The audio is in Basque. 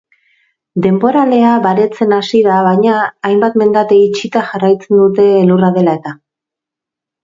Denboralea baretzen hasi da baina hainbat mendate itxita jarraitzen dute elurra dela eta.